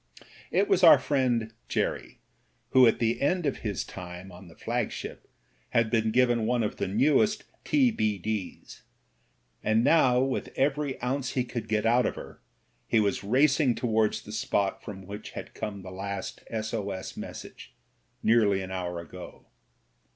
It was our friend Jerry, who at the end of his time 174 MEN, WOMEN AND GUNS on the flagship had been given one of the newest T.B.D/s, and now with every ounce he could get out of her he was racing towards the spot from which had come the last S.O.S. message, nearly an hour ago.